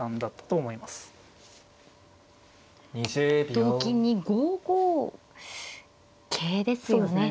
同金に５五桂ですよね。